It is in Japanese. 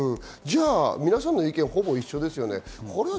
皆さんの意見、ほぼ一緒ですね。